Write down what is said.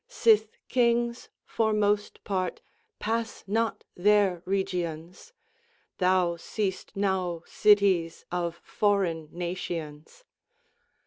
Sith kinges for moste part passe not their regions, Thou seest nowe cities of foreyn nations.